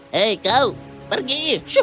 hei kau pergi